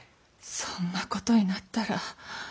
そんなことになったら。